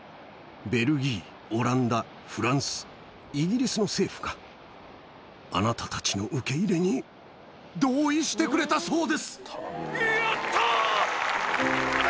ベルギー、オランダ、フランス、イギリスの政府が、あなたたちの受け入れに同意してくれたそうです！